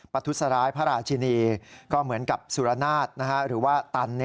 ทุษร้ายพระราชินีก็เหมือนกับสุรนาศหรือว่าตัน